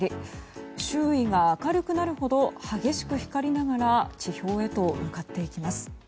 周囲が明るくなるほど激しく光りながら地表へと向かっていきます。